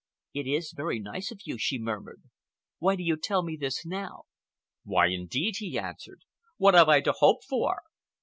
"It is very nice of you," she murmured. "Why do you tell me this now?" "Why, indeed?" he answered. "What have I to hope for?"